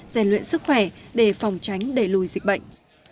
rèn luyện sức khỏe để phòng tránh đẩy lùi dịch bệnh